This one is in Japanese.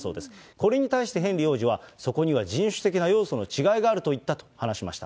これに対してヘンリー王子は、そこには人種的な要素の違いがあると言ったと話しました。